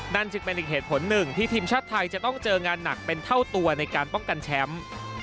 จึงเป็นอีกเหตุผลหนึ่งที่ทีมชาติไทยจะต้องเจองานหนักเป็นเท่าตัวในการป้องกันแชมป์